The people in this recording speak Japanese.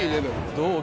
どう？